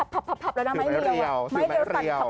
ผับแล้วนะไม้เรียว